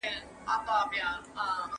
عدالت ته لېوالتیا ژوندۍ ده.